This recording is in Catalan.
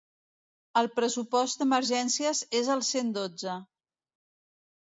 El pressupost d'emergències és el cent dotze.